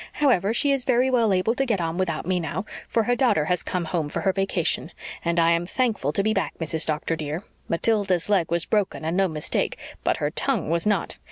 However, she is very well able to get on without me now, for her daughter has come home for her vacation. And I am thankful to be back, Mrs. Doctor, dear. Matilda's leg was broken and no mistake, but her tongue was not.